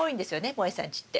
もえさんちって。